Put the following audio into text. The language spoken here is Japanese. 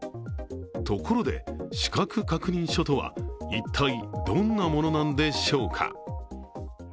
ところで、資格確認書とは一体、どんなものなのでしょうか。